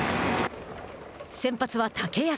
先発は竹安。